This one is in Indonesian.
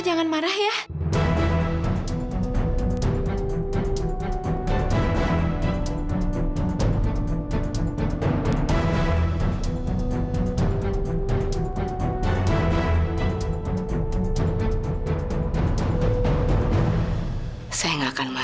terima kasih tante